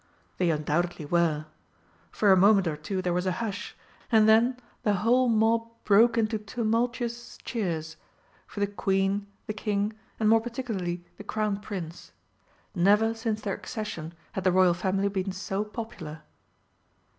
They undoubtedly were. For a moment or two there was a hush, and then the whole mob broke into tumultuous cheers for the Queen, the King, and more particularly the Crown Prince. Never since their accession had the Royal Family been so popular.